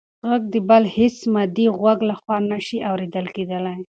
غږ د بل هېڅ مادي غوږ لخوا نه شي اورېدل کېدی.